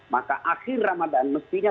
maka akhir ramadhan mestinya